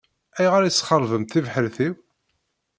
Ayɣer i tesxeṛbemt tibḥirt-iw?